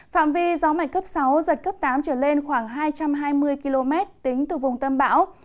phạm vi gió mạnh cấp sáu giật cấp tám trở lên khoảng hai trăm hai mươi km tính từ vùng tâm bão